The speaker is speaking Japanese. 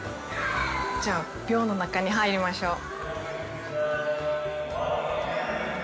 じゃあ、廟の中に入りましょう。